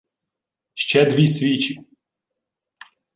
— Ще дві свічі!